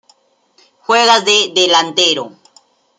Juega de Delantero.